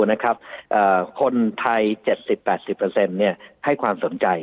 นะครับอ่าคนไทยเจ็ดสิบแปดสิบเปอร์เซ็นต์เนี่ยให้ความสนใจ